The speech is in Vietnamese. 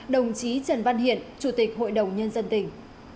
đồng chí trần văn hiện chủ tịch hội đồng nhân dân tỉnh